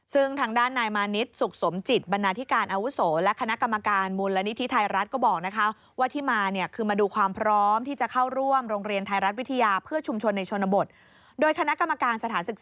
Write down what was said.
ซึ่งทางด้านนายมานิทสุขสมจิตบันนาฐิกานอาวุศโหรส